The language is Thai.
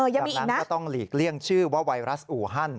จากนั้นก็ต้องหลีกเลี่ยงชื่อว่าไวรัสอูฮัน